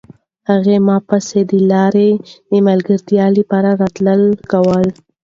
هغې په ما پسې د لارې د ملګرتیا لپاره راتلل کول.